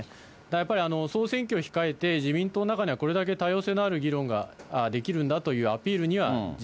やっぱり総選挙を控えて、自民党の中にはこれだけ多様性のある議論ができるんだというアピ